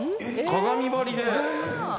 鏡張りで。